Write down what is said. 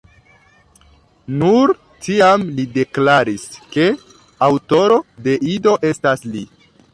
Nur tiam li deklaris, ke aŭtoro de Ido estas li.